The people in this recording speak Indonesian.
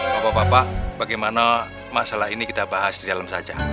bapak bapak bagaimana masalah ini kita bahas di dalam saja